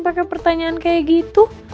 pake pertanyaan kayak gitu